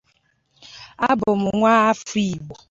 onye ọkwọ ụgbọala si mba Briten